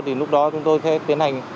thì lúc đó chúng tôi sẽ tiến hành